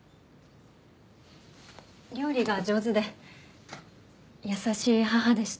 料理が上手で優しい母でした。